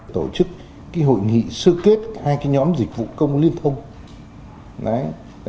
tổ chức hội nghị sưu kết hai nhóm dịch vụ công liên thông